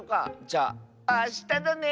じゃあしただね！